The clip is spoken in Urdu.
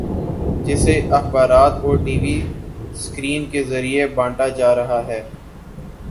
جسے اخبارات اور ٹی وی سکرین کے ذریعے بانٹا جا رہا ہے۔